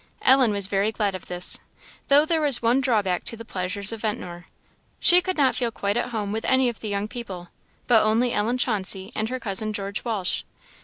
Ellen was very glad of this, though there was one drawback to the pleasures of Ventnor she could not feel quite at home with any of the young people, but only Ellen Chauncey and her cousin George Walsh.